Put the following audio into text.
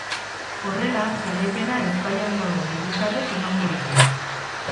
Horrela, garaipena ezbaian dauden herritarrek emango dute.